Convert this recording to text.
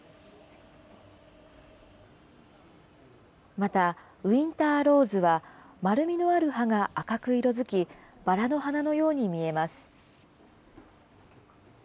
またウィンターローズは、丸みのある葉が赤く色づき、バラの花のように見えます。